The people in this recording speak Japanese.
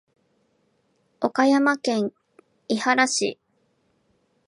岡山県井原市